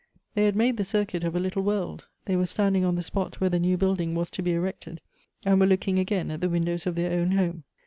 They had made the circuit of a little world ; they were standing on the spot where the new building was to be erected, and were looking again at the windows of their own home.